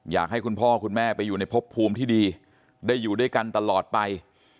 อยากให้คุณพ่อคุณแม่ไปอยู่ในพบภูมิที่ดีได้อยู่ด้วยกันตลอดไป